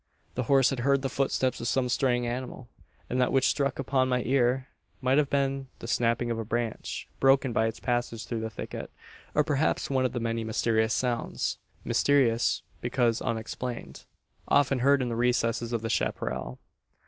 The horse had heard the footsteps of some straying animal; and that which struck upon my ear might have been the snapping of a branch broken by its passage through the thicket; or perhaps one of the many mysterious sounds mysterious, because unexplained often heard in the recesses of the chapparal.